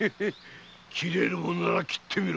斬れるもんなら斬ってみろ！